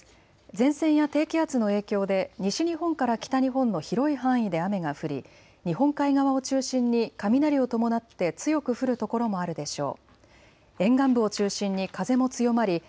前線や低気圧の影響で西日本から北日本の広い範囲で雨が降り日本海側を中心に雷を伴って強く降る所もあるでしょう。